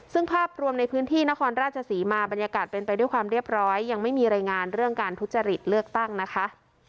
ซึ่งภาพรวมในพื้นที่นครราชศรีมาบรรยากาศเป็นไปด้วยความเรียบร้อยยังไม่มีรายงานเรื่องการทุจริตเลือกตั้งนะคะ